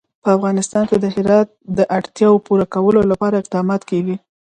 په افغانستان کې د هرات د اړتیاوو پوره کولو لپاره اقدامات کېږي.